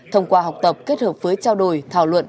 thông qua học tập kết hợp với trao đổi thảo luận